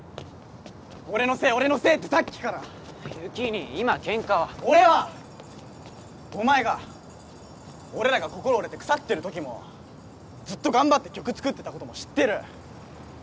俺のせい俺のせいってさっきから有起兄今ケンカは俺はお前が俺らが心折れて腐ってる時もずっと頑張って曲作ってたことも知ってる